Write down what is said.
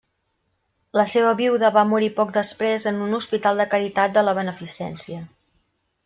La seua viuda va morir poc després en un hospital de caritat de la beneficència.